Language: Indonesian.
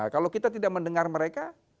kalau kita tidak mendengar mereka